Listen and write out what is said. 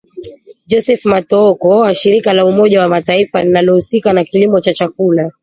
Joseph Mathooko wa Shirika la Umoja wa Mataifa linalohusika na Kilimo na Chakula